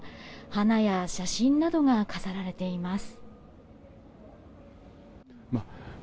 花や写真などが飾られています。